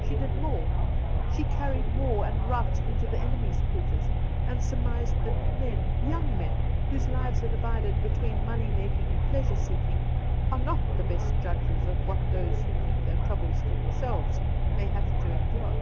She did more ; she carried war and rout into the enemy's quarters and sur mised that men, young men, whose lives are divided between money making and pleasvu e seeking, are not the best judges of what those who keep their troubles to themselves may have to endure.